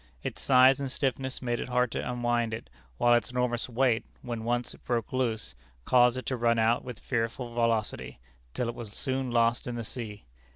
Its size and stiffness made it hard to unwind it, while its enormous weight, when once it broke loose, caused it to run out with fearful velocity, till it was soon lost in the sea.